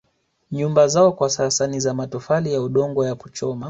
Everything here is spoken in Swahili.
Nyumba zao kwa sasa ni za matofali ya udongo ya kuchoma